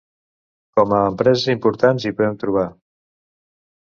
Com a empreses importants hi podem trobar.